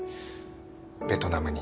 ベトナムに。